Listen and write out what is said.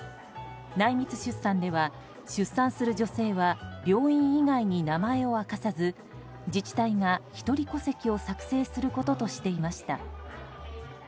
内密出産では、出産する女性は病院以外に名前を明かさず自治体が一人戸籍を作成することとしていました。